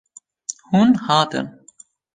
Hûn hatin.